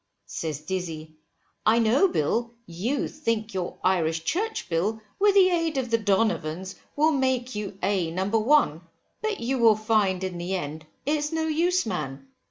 Says Dizzy, I know Bill, you think your Irish Church Bill, with the aid of the donovans, will make you A No. 1, but you will find in the end it's no use man.